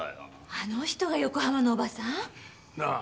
あの人が横浜の叔母さん？なあ？